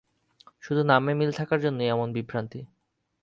শুধু নামে মিল থাকার জন্যই এমন বিভ্রান্তি।